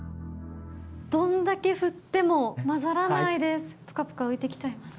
どんだけ振っても混ざらないです。